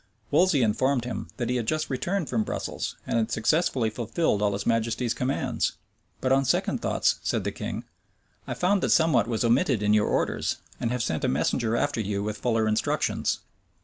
Wolsey informed him that he had just returned from Brussels, and had successfully fulfilled all his majesty's commands. "But on second thoughts," said the king, "I found that somewhat was omitted in your orders; and have sent a messenger after you with fuller instructions."